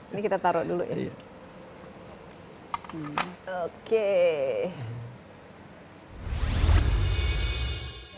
ini kita taruh dulu ya